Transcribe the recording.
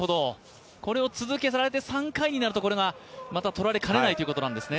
これを続けられて３回なるとまたこれが取られかねないということなんですね。